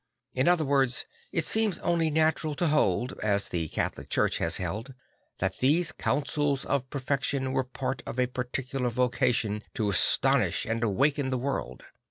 In other words, it seems only natural to hold, as the Catholic Church has held, tha t these counsels of perfection were part of a particular vocation to astonish and awaken the world.